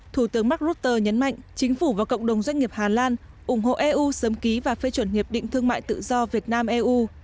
thủ tướng mark rutte nhấn mạnh chính phủ và cộng đồng doanh nghiệp hà lan ủng hộ eu sớm ký và phê chuẩn hiệp định thương mại tự do việt nam eu